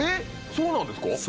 そうなんです